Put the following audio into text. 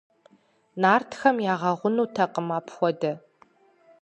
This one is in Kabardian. Нартхэм ягъэгъунутэкъым апхуэдэ.